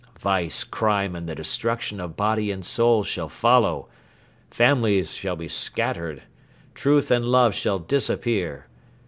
... Vice, crime and the destruction of body and soul shall follow. ... Families shall be scattered. ... Truth and love shall disappear.